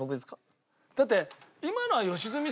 だって。